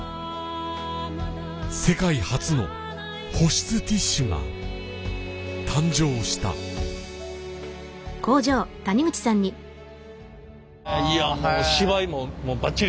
世界初の保湿ティッシュが誕生したお芝居バッチリ。